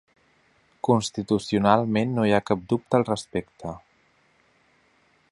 Constitucionalment no hi ha cap dubte al respecte.